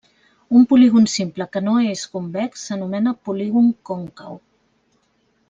Un polígon simple que no és convex s'anomena polígon còncau.